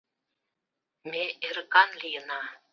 Ме эрыкан лийына.